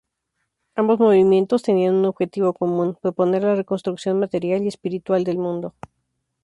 Ambos movimientos tenían un objetivo común: proponer la reconstrucción material y espiritual del mundo.